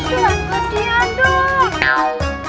aku aja dia dong